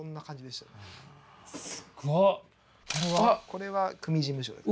これは組事務所です。